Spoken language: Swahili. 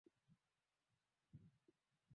ais mugabe wa zimbabwe asema yubuheri wa afya